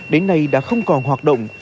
đến nay đã không còn hoạt động